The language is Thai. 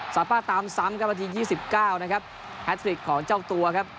ซาป้าตามซ้ำครับนาที๒๙นะครับแฮทริกของเจ้าตัวครับ